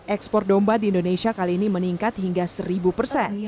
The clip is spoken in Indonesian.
ekspor domba di indonesia kali ini meningkat hingga seribu persen